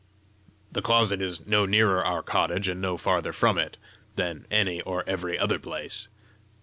"The closet is no nearer our cottage, and no farther from it, than any or every other place."